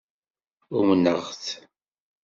Umneɣ-t.